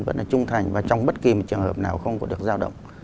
vẫn là trung thành và trong bất kỳ một trường hợp nào không có được giao động